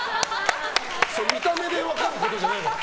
見た目で分かることじゃないから。